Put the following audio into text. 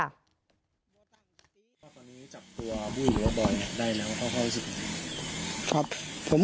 ตอนนี้จับตัวบุ้ยหรือบอยได้แล้วเขารู้สึกไหม